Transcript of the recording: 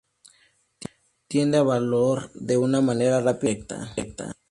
Tiende a volar de una manera rápida y directa.